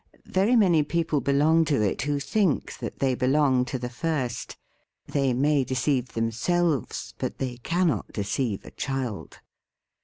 Very many people belong to it who think that they belong to the first. They may deceive themselves, but they cannot de ceive a child.